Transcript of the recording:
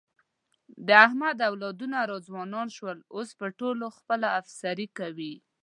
د احمد اولادونه را ځوانان شول، اوس په ټولو خپله افسري کوي.